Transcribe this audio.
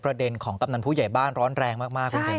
ประเด็นของกำนันผู้ใหญ่บ้านร้อนแรงมากคุณเข็ม